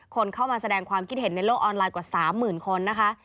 คนเข้ามาแสดงความคิดเห็นในโลกออนไลน์กว่า๓๐๐๐คนนะคะ